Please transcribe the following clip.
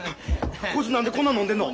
こいつ何でこんな飲んでんの？